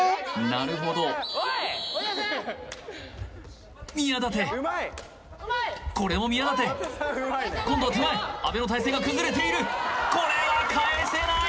なるほど宮舘これも宮舘今度は手前阿部の体勢が崩れているこれは返せない！